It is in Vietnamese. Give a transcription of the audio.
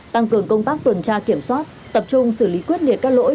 tăng cường công tác tuần tra kiểm soát tập trung xử lý quyết liệt các lỗi